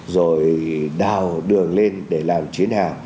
rồi đào đường lên để làm chiến hạ